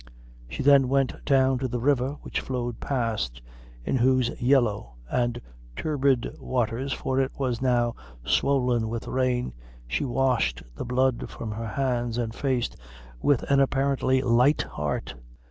She then went down to the river which flowed past, in whose yellow and turbid waters for it was now swollen with rain she washed the blood from her hands and face with an apparently light heart.